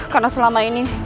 karena selama ini